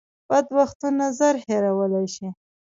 بد وختونه ژر هېرولی شئ .